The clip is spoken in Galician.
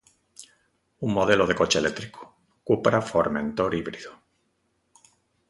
Un modelo de coche eléctrico, Cupra Formentor híbrido.